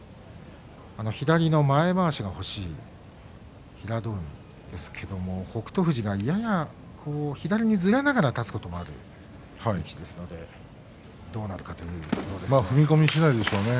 左の前まわしが欲しい平戸海ですけれども北勝富士がやや左にずれながら立つこともある力士ですのでどうなるかということですね。